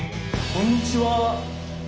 こんにちは。